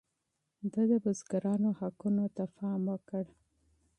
ده د بزګرانو حقونو ته پام وکړ.